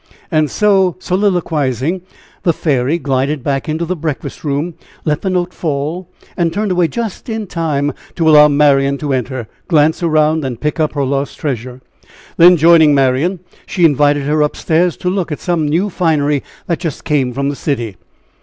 And so soliloquizing, the fairy glided back into the breakfast room, let the note fall, and turned away just in time to allow Marian to enter, glance around, and pick up her lost treasure. Then joining Marian, she invited her up stairs to look at some new finery just come from the city.